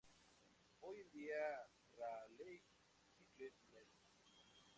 Hoy en día Raleigh Cycle Ltd.